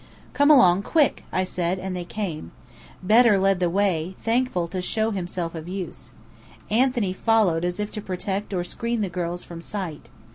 "Come along, quick!" I said; and they came. Bedr led the way, thankful to show himself of use. Anthony followed as if to protect or screen the girls from sight.